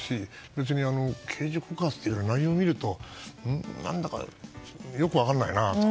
別に刑事告発というよりも内容を見ると何だかよく分からないなと。